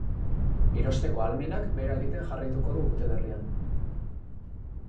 Erosteko ahalmenak behera egiten jarraituko du urte berrian.